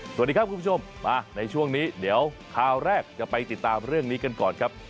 สวัสดีครับคุณผู้ชมมาในช่วงนี้เดี๋ยวคราวแรกจะไปติดตามเรื่องนี้กันก่อนครับ